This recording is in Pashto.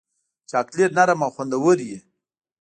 چاکلېټ نرم او خوندور وي.